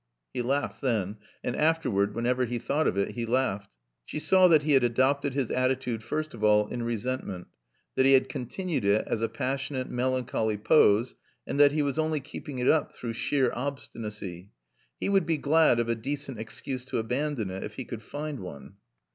He laughed then. And afterward, whenever he thought of it, he laughed. She saw that he had adopted his attitude first of all in resentment, that he had continued it as a passionate, melancholy pose, and that he was only keeping it up through sheer obstinacy. He would be glad of a decent excuse to abandon it, if he could find one.